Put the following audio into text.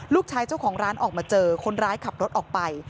เจ้าของร้านออกมาเจอคนร้ายขับรถออกไป